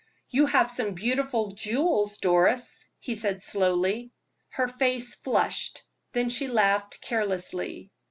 "You have some beautiful jewels, Doris," he said, slowly. Her face flushed, then she laughed carelessly.